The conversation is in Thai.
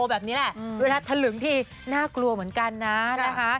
เวลาทะลึงพี่หน้ากลัวเหมือนกันนะนะคะ